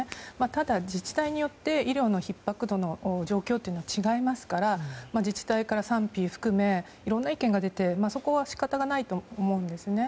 ただ、自治体によって医療のひっ迫度の状況は違いますから自治体から賛否を含めいろんな意見が出てもそこは、仕方がないと思うんですね。